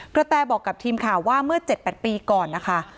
แตบอกกับทีมข่าวว่าเมื่อ๗๘ปีก่อนนะคะ